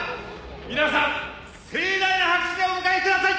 「皆さん盛大な拍手でお迎えください！」